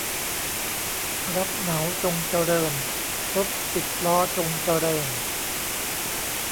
รับเหมาจงเจริญ รถสิบล้อจงเจริญ